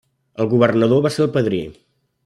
El governador va ser el padrí.